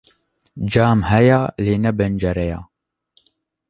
cam heye lê ne pencere ye